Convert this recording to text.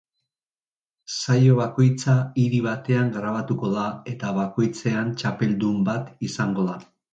Saio bakoitza hiri batean grabatuko da eta bakoitzean txapeldun bat izango da.